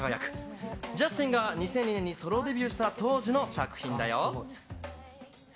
ジャスティンが２００２年にソロデビューした当時の作品だよ。